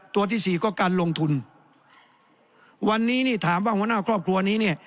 ตัวที่สี่ก็การลงทุนวันนี้นี่ถามว่าหัวหน้าครอบครัวนี้เนี่ย